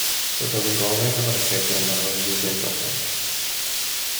Byddaf yn gofyn am yr atebion ar ôl iddynt orffen.